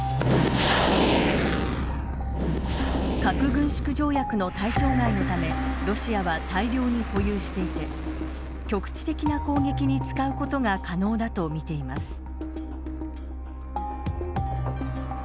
核軍縮条約の対象外のためロシアは大量に保有していて局地的な攻撃に使うことが可能だとみています。